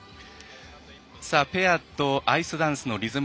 ペアとアイスダンスのリズム